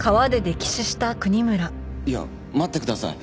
いや待ってください。